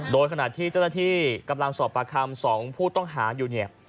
โดยขณะที่เจ้าหน้าที่กำลังสอบประคำ๒ผู้ต้องหาอยู่เนี่ย